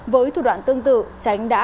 với thủ đoạn tương tự chánh đã